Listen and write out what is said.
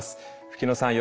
吹野さん